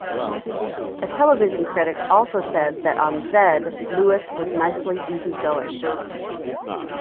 A television critic also said that on "ZeD" Lewis was nicely easygoing.